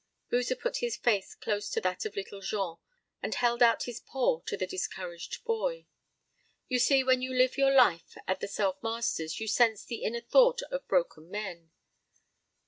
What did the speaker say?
Boozer put his face close to that of Little Jean and held out his paw to the discouraged boy. You see when you live your life at the Self Masters you sense the inner thought of broken men.